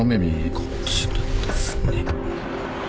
こちらですね。